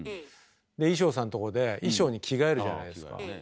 で衣装さんとこで衣装に着替えるじゃないですか。